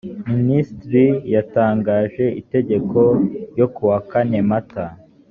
minisitiri yatangaje itegeko ryo kuwa kane mata